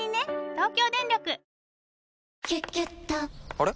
あれ？